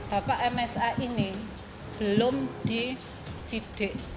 bapak msa ini belum disidik